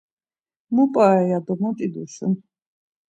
Mu p̌are ya do mot iduşun.